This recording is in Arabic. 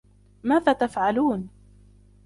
ماذا تفعلون ؟